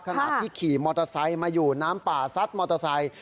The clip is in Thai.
ขณะที่ขี่มอเตอร์ไซค์มาอยู่น้ำป่าซัดมอเตอร์ไซค์